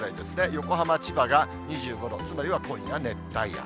横浜、千葉が２５度、つまりは今夜は熱帯夜。